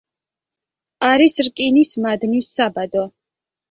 არის რკინის მადნის საბადო.